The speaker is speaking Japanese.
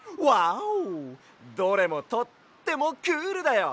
どれもとってもクールだよ！